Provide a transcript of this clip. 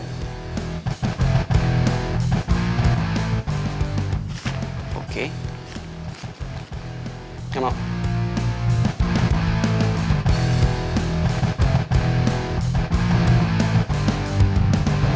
gue bisa dapetin dengan cara yang lain